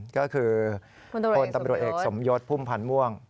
ก็คือพลตำรวจเอกสมยศพุ่มพันธ์ม่วง